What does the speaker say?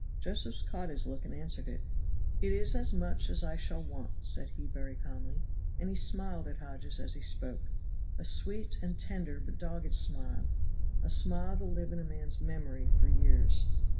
Josephs caught his look and answered it. "It is as much as I shall want," said he very calmly, and he smiled at Hodges as he spoke, a sweet and tender but dogged smile; a smile to live in a man's memory for years.